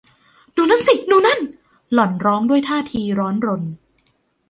ดูนั่นสิ ดูนั่น หล่อนร้องด้วยท่าทีร้อนรน